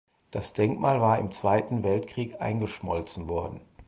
Das Denkmal war im Zweiten Weltkrieg eingeschmolzen worden.